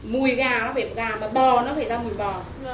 mùi gà nó phải gà và bò nó phải ra mùi bò